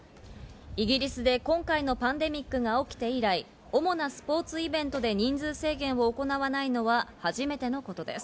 イギリスで今回のパンデミックが起きて以来、主なスポーツイベントで人数制限を行わないのは初めてのことです。